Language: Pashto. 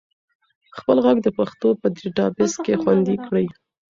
خپل ږغ د پښتو په ډیټابیس کې خوندي کړئ.